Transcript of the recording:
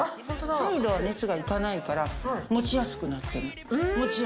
サイドは熱がいかないから持ちやすくなってるの。